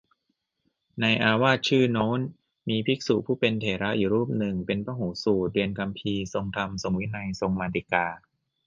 ในอาวาสชื่อโน้น มีภิกษุผู้เป็นเถระอยู่รูปหนึ่งเป็นพหูสูตร เรียนคำภีร์ ทรงธรรม ทรงวินัย ทรงมาติกา